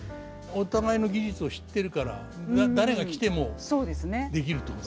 お互いの技術を知ってるから誰が来てもできるってこと。